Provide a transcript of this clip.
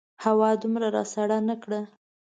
هوا دومره راسړه نه کړه.